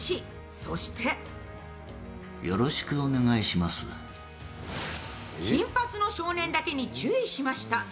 そして金髪の少年だけに注意しました。